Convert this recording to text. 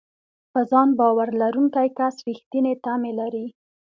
په ځان باور لرونکی کس رېښتینې تمې لري.